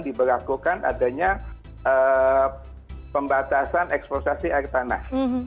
diberlakukan adanya pembatasan eksplosasi air tanah